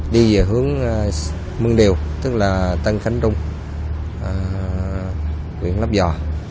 đi về hướng mương điều tức là tân khánh trung quyền lấp giò